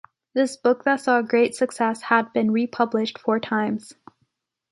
This book that saw great success had been republished four times.